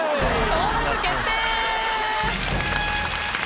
登録決定！